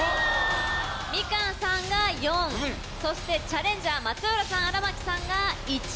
みかんさんが４そしてチャレンジャー松浦さん荒牧さんが１。